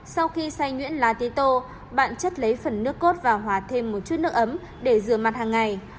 sau khi xay nhuyễn lá tế tô bạn chất lấy phần nước cốt và hòa thêm một chút nước ấm để rửa mặt hàng ngày